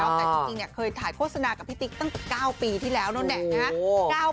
แต่จริงเนี่ยเคยถ่ายโฆษณากับพี่ติ๊กตั้งแต่๙ปีที่แล้วนู่นเนี่ยนะฮะ